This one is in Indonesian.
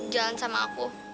jalan sama aku